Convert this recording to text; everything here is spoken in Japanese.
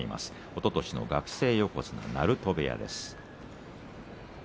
おととしの学生横綱鳴戸部屋です。